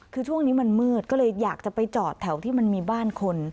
คือช่วงนี้มันมืดก็เลยอยากจะไปจอดแถวที่มันมีบ้านคน